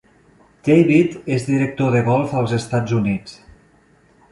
David és director de golf als Estats Units.